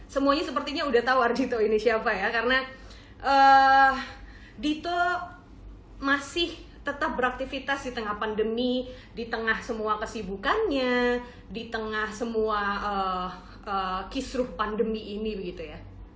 semuanya sepertinya udah tawar dito ini siapa ya karena dito masih tetap beraktivitas di tengah pandemi di tengah semua kesibukannya di tengah semua kisruh pandemi ini gitu ya